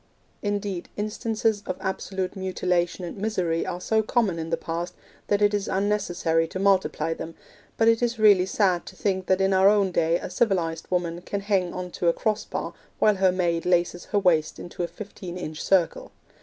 Indeed, instances of absolute mutilation and misery are so common in the past that it is unnecessary to multiply them; but it is really sad to think that in our own day a civilised woman can hang on to a cross bar while her maid laces her waist into a fifteen inch circle.